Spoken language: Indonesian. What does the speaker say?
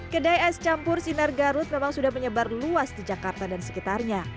kedai es campur sinar garut memang sudah menyebar luas di jakarta dan sekitarnya